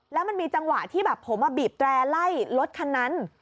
แล้วมันมีจังหวะที่แบบผมบีบแตร่ไล่รถคันนั้น